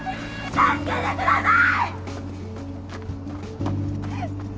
助けてください！